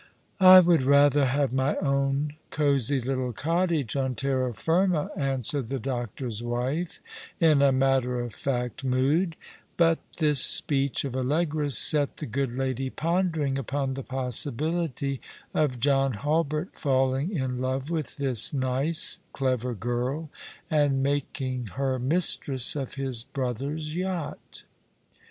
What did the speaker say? " I would rather have my own cosy little cottage on terra firma," answered the doctor's wife in a matter ot fact mood; but this speech of Allegra's set the good lady pondering upon the possibility of John Hulbert falling in love with this nice, clever girl, and making her mistress of his brother's yacht.